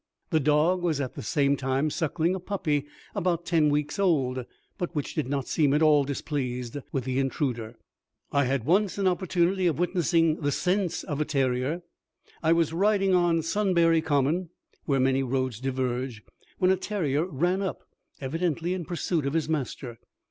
The dog was at the same time suckling a puppy about ten weeks old, but which did not seem at all displeased with the intruder. I had once an opportunity of witnessing the sense of a terrier. I was riding on Sunbury Common, where many roads diverge, when a terrier ran up, evidently in pursuit of his master.